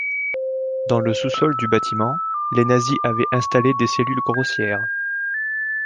Dans le sous-sol du bâtiment, les Nazis avaient installé des cellules grossières.